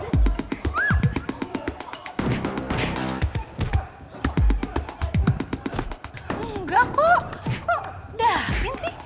enggak kok kok dahin sih